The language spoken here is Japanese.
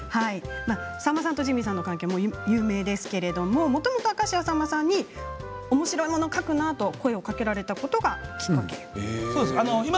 さんまさんとジミーさんの関係は有名ですけれどもともと明石家さんまさんにおもしろいもの描くなあと声をかけられたことが有名です。